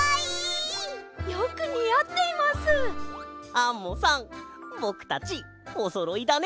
アンモさんぼくたちおそろいだね。